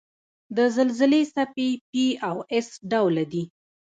د زلزلې څپې P او S ډوله دي.